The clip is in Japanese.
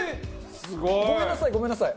すごい！ごめんなさいごめんなさい。